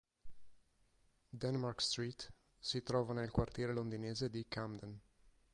Denmark Street si trova nel quartiere londinese di Camden.